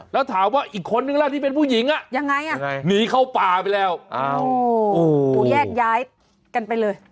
แล้วถามว่าอีกคนนึงล่ะที่เป็นผู้หญิงหนีเข้าป่าไปแล้วแยกย้ายกันไปเลย